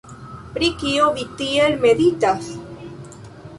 Pri kio vi tiel meditas?